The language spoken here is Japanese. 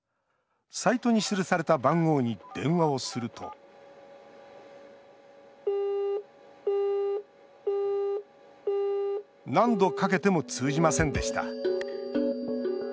サイトに記された番号に電話をすると何度かけても通じませんでした。